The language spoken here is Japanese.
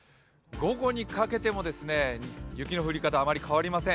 午後にかけても、雪の降り方あまり変わりません。